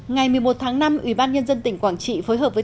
ngày một mươi một tháng năm ủy ban nhân dân tỉnh quảng trị phối hợp với